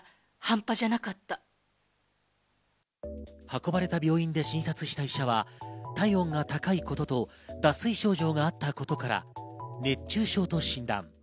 運ばれた病院で診察した医者は体温が高いことと、脱水症状があったことから熱中症と診断。